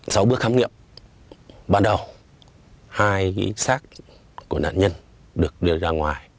sau bước khám nghiệm ban đầu hai ghi sát của nạn nhân được đưa ra ngoài